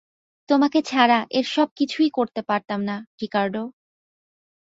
তোমাকে ছাড়া এর সব কিছুই করতে পারতাম না, রিকার্ডো।